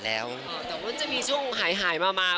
แต่ว่าจะมีช่วงหายมา